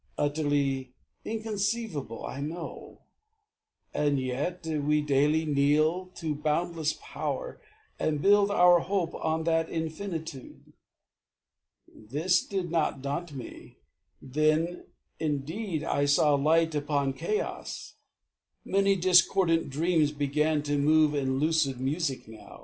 Utterly inconceivable, I know; And yet we daily kneel to boundless Power And build our hope on that Infinitude. This did not daunt me, then. Indeed, I saw Light upon chaos. Many discordant dreams Began to move in lucid music now.